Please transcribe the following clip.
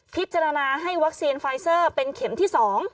พิจารณาให้วัคซีนไฟเซอร์เป็นเข็มที่๒